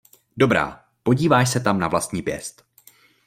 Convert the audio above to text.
Dobrá, podíváš se tam na vlastní pěst.